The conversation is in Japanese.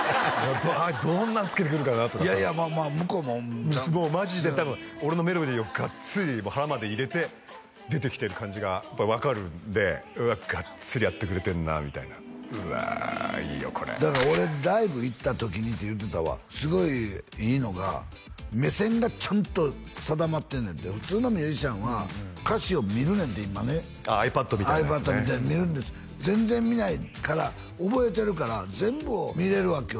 どんなんつけてくるかなとかさ向こうもマジで多分俺のメロディーをガッツリ腹まで入れて出てきてる感じが分かるんでうわガッツリやってくれてるなみたいな「うわいいよこれ」だから「俺ライブ行った時に」って言うてたわすごいいいのが目線がちゃんと定まってんねんて普通のミュージシャンは歌詞を見るねんて今ねああｉＰａｄみたいなやつねｉＰａｄみたいなのを見るんです全然見ないから覚えてるから全部を見れるわけよ